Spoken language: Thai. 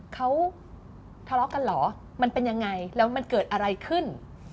เขาทะเลาะกันเหรอมันเป็นยังไงแล้วมันเกิดอะไรขึ้น